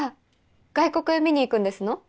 外国へ見に行くんですの？